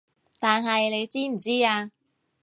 但係你知唔知啊